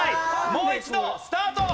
もう一度スタート。